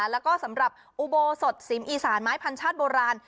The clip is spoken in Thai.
แล้วก็สำหรับอุโบสถสิมอีสานไม้พันชาติโบราณ